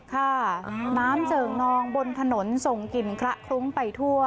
ค่ะน้ำเจิ่งนองบนถนนส่งกลิ่นคละคลุ้งไปทั่ว